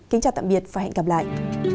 kính chào tạm biệt và hẹn gặp lại